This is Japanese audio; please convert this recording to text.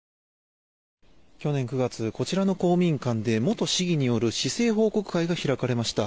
去年９月こちらの公民館で元市議による市政報告会が開かれました。